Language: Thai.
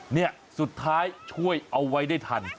เนี่ยสุดท้ายช่วยเอาไว้ได้ทัน